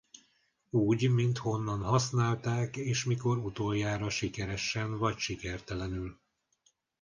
Úgy mint honnan használták és mikor utoljára sikeresen vagy sikertelenül.